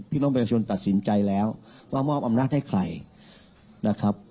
พี่น้องประชาชนตัดสินใจแล้วว่ามอบอำนาจให้ใครนะครับ